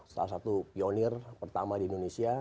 salah satu pionir pertama di indonesia